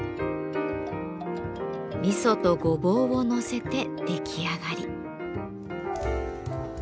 みそとごぼうを載せて出来上がり。